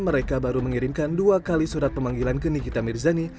mereka baru mengirimkan dua kali surat pemanggilan ke nikita mirzani